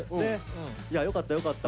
よかったよかった。